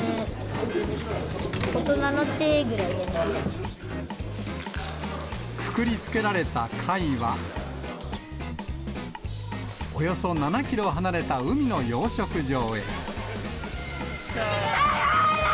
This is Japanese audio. うーん、くくりつけられた貝は、およそ７キロ離れた海の養殖場へ。